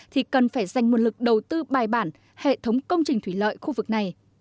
thì cần phải dành nguồn lực đầu tư bài bản hệ thống công trình thủy lợi khu vực này